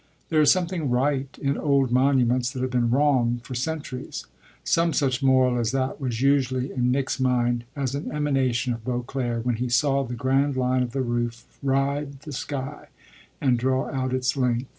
There is something right in old monuments that have been wrong for centuries: some such moral as that was usually in Nick's mind as an emanation of Beauclere when he saw the grand line of the roof ride the sky and draw out its length.